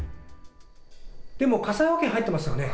でも、火災保険入ってますよね？